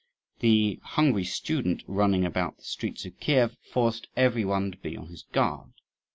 The hungry student running about the streets of Kief forced every one to be on his guard.